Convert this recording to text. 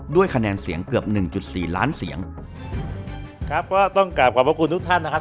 ด้วยคะแนนเสียงเกือบหนึ่งจุดสี่ล้านเสียงครับก็ต้องกลับขอบพระคุณทุกท่านนะครับ